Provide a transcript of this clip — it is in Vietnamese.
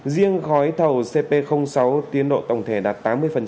riêng gói thầu cp sáu tiến độ tổng thể đạt tám mươi